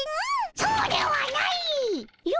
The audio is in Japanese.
そうではないっ！